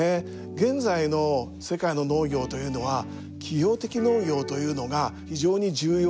現在の世界の農業というのは企業的農業というのが非常に重要な役割を担ってきました。